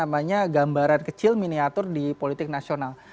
namanya gambaran kecil miniatur di politik nasional